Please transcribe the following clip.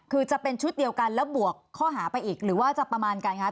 คือจะเป็นชุดเดียวกันแล้วบวกข้อหาไปอีกหรือว่าจะประมาณกันคะ